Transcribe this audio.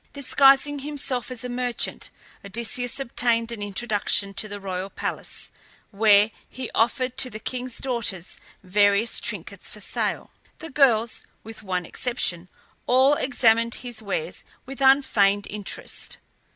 Disguising himself as a merchant, Odysseus obtained an introduction to the royal palace, where he offered to the king's daughters various trinkets for sale. The girls, with one exception, all examined his wares with unfeigned interest.